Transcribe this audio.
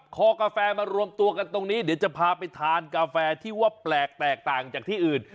คอกาแฟมารวมตัวกันตรงนี้เดี๋ยวจะพาไปทานกาแฟที่ว่าแปลกแตกต่างจากที่อื่น